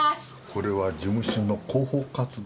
これは事務所の広報活動の。